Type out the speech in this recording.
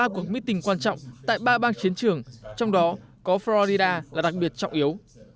chiến trường trong đó có florida là đặc biệt trọng yếu